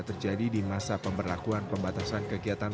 terjadi di masa pemberlakuan pembatasan kegiatan